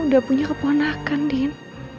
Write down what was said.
udah punya keponakan din